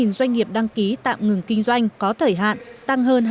hai mươi một doanh nghiệp đăng ký tạm ngừng kinh doanh có thời hạn tăng hơn hai mươi năm